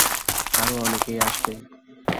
আরো অনেকেই আসবে।